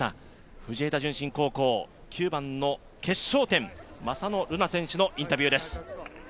藤枝順心高校、９番の決勝点、正野瑠菜選手のインタビューです。